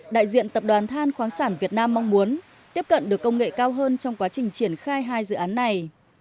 đại diện tập đoàn than khoáng sản việt nam mong muốn tiếp cận được công nghệ cao hơn trong quá trình triển khai hai dự án này